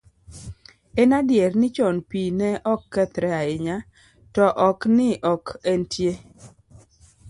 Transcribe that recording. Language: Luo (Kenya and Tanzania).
En adier ni chon pi ne ok kethre ahinya to ok ni ok entie.